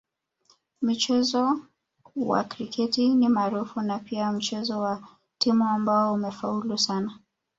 Mchezo wa kriketi ni maarufu na pia ni mchezo wa timu ambao umefaulu sana